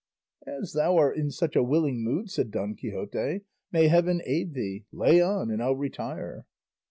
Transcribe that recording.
"As thou art in such a willing mood," said Don Quixote, "may heaven aid thee; lay on and I'll retire."